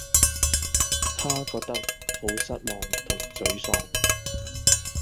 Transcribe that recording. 她覺得好失望同沮喪